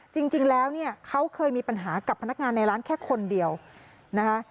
จริงแล้วเนี่ยเขาเคยมีปัญหากับพนักงานในร้านแค่คนเดียวนะคะ